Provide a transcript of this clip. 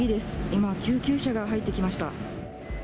今、救急車が入ってきました。